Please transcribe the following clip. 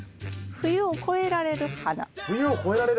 冬を越えられる花。